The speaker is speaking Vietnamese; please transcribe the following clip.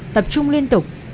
tập trung liên tục